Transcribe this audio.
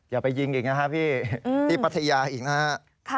อย่าไปยิงอีกนะครับพี่ที่พัทยาอีกนะครับ